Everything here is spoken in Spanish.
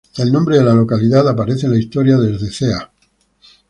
El nombre de la localidad aparece en la historia desde ca.